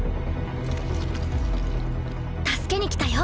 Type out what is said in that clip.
助けに来たよ